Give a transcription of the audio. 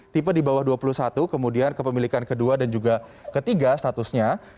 tipe di bawah dua puluh satu kemudian kepemilikan kedua dan juga ketiga statusnya